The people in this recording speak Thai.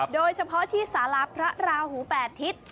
โดยเฉพาะที่สาราพระราหู๘ทิศ